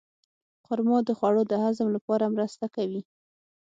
خرما د خوړو د هضم لپاره مرسته کوي.